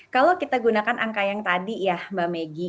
kalau kita gunakan angka yang tadi ya mbak meggy